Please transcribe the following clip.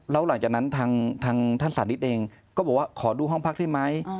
แล้วหลังจากนั้นทางท่านสาธิตเองก็บอกว่าขอดูห้องพักได้ไหม